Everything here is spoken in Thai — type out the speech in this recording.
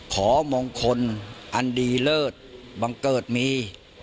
ขอมงคลอันดีเลิศบังเกิดมี